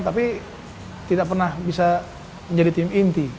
tapi tidak pernah bisa menjadi tim inti